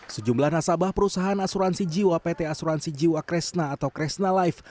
sejumlah nasabah perusahaan asuransi jiwa pt asuransi jiwa kresna atau kresna life